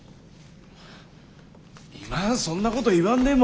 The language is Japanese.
今そんなこと言わんでも。